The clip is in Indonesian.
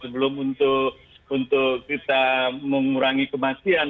sebelum untuk kita mengurangi kematian